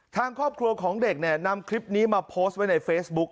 ทางครอบครัวของเด็กเนี่ยนำคลิปนี้มาโพสต์ไว้ในเฟซบุ๊ค